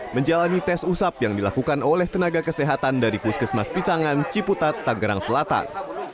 menjalani tes usap yang dilakukan oleh tenaga kesehatan dari puskesmas pisangan ciputat tanggerang selatan